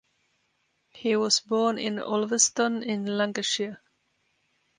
He was born in Ulverston in Lancashire.